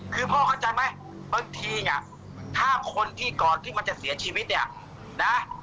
คือพ่อเข้าใจไหมบางทีเนี่ยถ้าคนที่ก่อนที่มันจะเสียชีวิตเนี่ยนะ